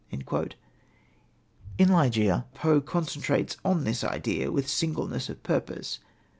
In Ligeia, Poe concentrates on this idea with singleness of purpose.